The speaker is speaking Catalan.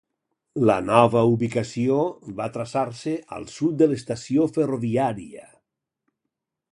La nova ubicació va traçar-se al sud de l'estació ferroviària.